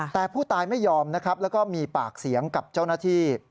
แต่ผู้ตายไม่ยอมนะครับแล้วก็มีปากเสียงกับเจ้าหน้าที่